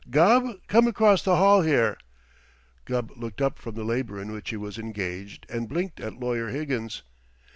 "Gubb, come across the hall here!" Gubb looked up from the labor in which he was engaged and blinked at Lawyer Higgins.